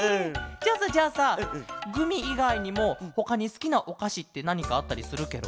じゃあさじゃあさグミいがいにもほかにすきなおかしってなにかあったりするケロ？